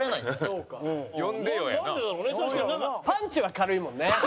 パンチは軽いもんね。